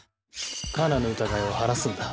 カナの疑いを晴らすんだ。